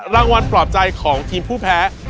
รางวัลปรอบใจของทีมผู้แพ้